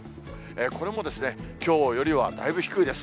これもきょうよりはだいぶ低いです。